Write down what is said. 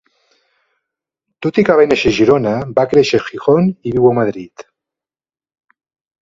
Tot i que va néixer a Girona, va créixer a Gijón i viu a Madrid.